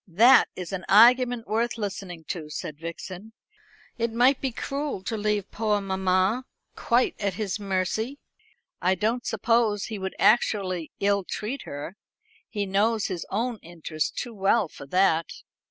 "That is an argument worth listening to," said Vixen. "It might be cruel to leave poor mamma quite at his mercy. I don't suppose he would actually ill treat her. He knows his own interest too well for that.